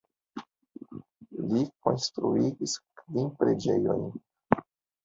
Li konstruigis kvin preĝejojn.